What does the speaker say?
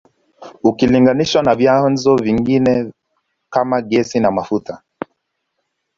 Ukilinganishwa na vyanzo vingine kama gesi na mafuta